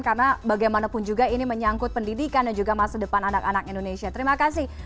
karena bagaimanapun juga ini menyangkut pendidikan dan juga masa depan anak anak indonesia terima kasih